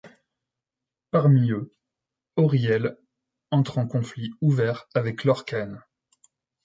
Parmi eux, Auri-El entre en conflit ouvert avec Lorkhan.